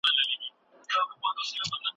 تخیل په داستان کي د ژوند ساه پوکي.